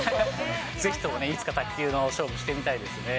ぜひともいつか卓球の勝負、してみたいですね。